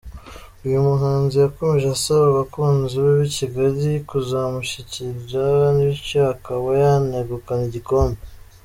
Uyu muhanzi yakomeje asaba abakunzi be b’i Kigali kuzamushyigikira bityo akaba yanegukana igikombe.